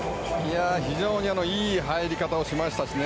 非常にいい入り方をしましたしね。